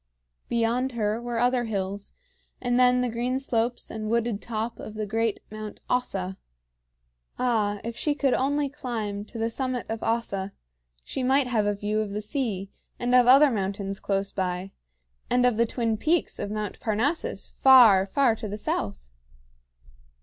Beyond her were other hills, and then the green slopes and wooded top of great Mount Ossa. Ah, if she could only climb to the summit of Ossa, she might have a view of the sea, and of other mountains close by, and of the twin peaks of Mount Parnassus, far, far to the south!